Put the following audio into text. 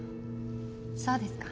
そうですか。